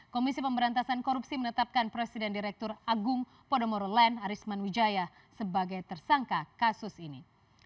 komisi pemberantasan korupsi menetapkan presiden direktur agung podomoro land arisman wijaya sebagai tersangka kasus ini